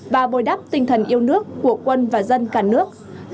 và bồi đắp tinh thần yêu nước của quân và dân cả nước